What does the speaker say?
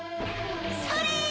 それ！